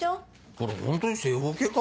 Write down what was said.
これホントに正方形か？